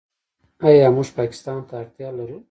آیا موږ پاکستان ته اړتیا لرو؟